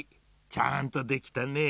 ちゃんとできたね。